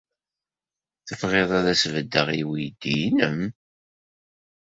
Tebɣiḍ ad as-beddeɣ i weydi-nnem?